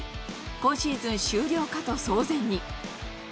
今シーズン終了かと騒然に。